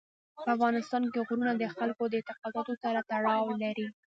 په افغانستان کې غرونه د خلکو د اعتقاداتو سره تړاو لري.